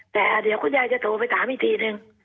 แต่เดี๋ยวคุณยายจะโทรไปถามอีกทีนึง